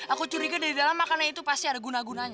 aku curiga dari dalam makanan itu pasti ada guna gunanya